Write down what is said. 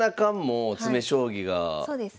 そうですね。